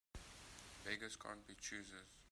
Beggars can't be choosers.